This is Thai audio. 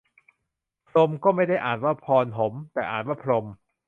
พรหม ก็ไม่ได้อ่านว่าพอน หม แต่อ่านว่าพรม